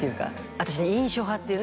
私ね「印象派」っていうね